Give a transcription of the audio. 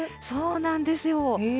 そうなんですよ。